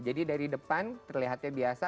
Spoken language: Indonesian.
jadi dari depan terlihatnya biasa